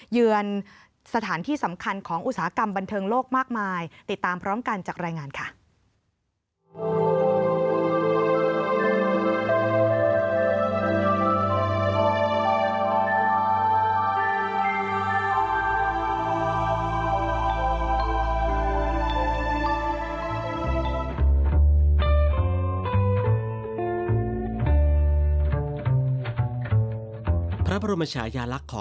เยือนสถานที่สำคัญของอุตสาหกรรมบันเทิงโลกมากมาย